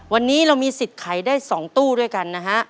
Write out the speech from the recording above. วันนี้เรามีสิทธิ์ขายได้๒ตู้ด้วยกันนะฮะ